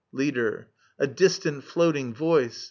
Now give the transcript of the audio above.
Leader. A distant floating voice